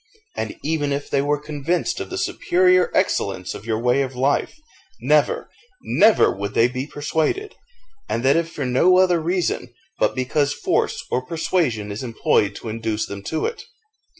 And even if they were convinced of the superior excellence of your way of life, never, never would they be persuaded; and that if for no other reason, but because force or persuasion is employed to induce them to it.